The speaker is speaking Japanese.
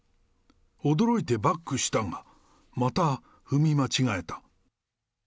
驚いてバックしたが、また踏み間違えた。